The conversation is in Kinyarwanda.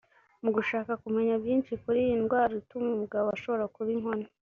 Mu gushaka kumenya byinshi kuri iyi ndwara ituma umugabo ashobora kuba inkone